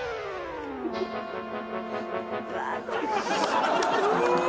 うわ！